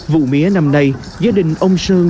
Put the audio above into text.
vụ mía năm nay gia đình ông sơn